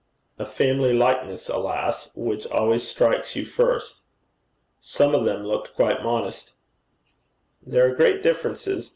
'A family likeness, alas! which always strikes you first.' 'Some of them looked quite modest.' 'There are great differences.